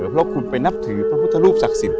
เพราะคุณไปนับถือพระพุทธรูปศักดิ์สิทธิ